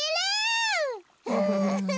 フフフフ。